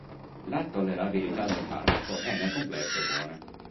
La tollerabilità del farmaco è nel complesso buona.